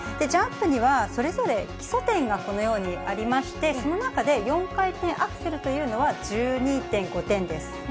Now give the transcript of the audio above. ジャンプにはそれぞれ基礎点がこのようにありまして、その中で４回転アクセルというのは１２．５点です。